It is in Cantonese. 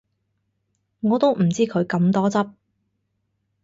我都唔知佢咁多汁